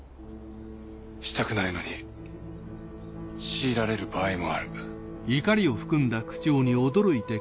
したくないのに強いられる場合もある。